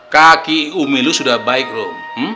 kaki umi lu sudah baik belum